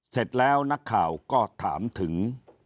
เสร็จแล้วนักข่าวก็ถามถึง